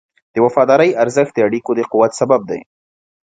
د وفادارۍ ارزښت د اړیکو د قوت سبب دی.